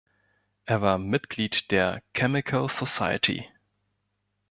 Er war Mitglied der Chemical Society.